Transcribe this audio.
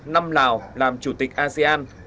năm lào làm chủ tịch asean